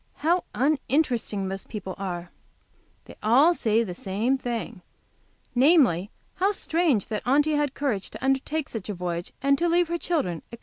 How uninteresting most people are! They all say the same thing, namely, how strange that Aunty had courage to undertake such a voyage, and to leave her children, etc.